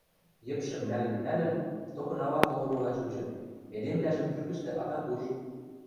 йӹпшӹм нӓлӹн-нӓлӹн, токынала толмыла чучыт, эдемвлӓжӹм трӱкӹштӹ атат уж.